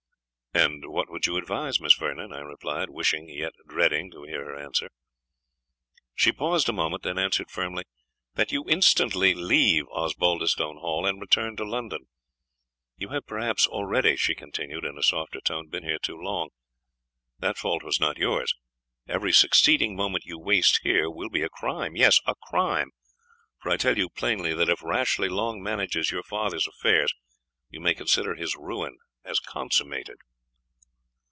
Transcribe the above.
"And what would you advise, Miss Vernon?" I replied, wishing, yet dreading, to hear her answer. She paused a moment, then answered firmly "That you instantly leave Osbaldistone Hall, and return to London. You have perhaps already," she continued, in a softer tone, "been here too long; that fault was not yours. Every succeeding moment you waste here will be a crime. Yes, a crime: for I tell you plainly, that if Rashleigh long manages your father's affairs, you may consider his ruin as consummated."